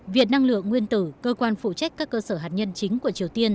viện năng lượng nguyên tử cơ quan phụ trách các cơ sở hạt nhân chính của triều tiên